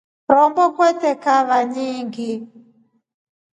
Rombo kwete kahawa nyingʼingi.